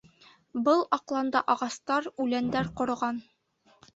Был аҡланда ағастар, үләндәр ҡороған.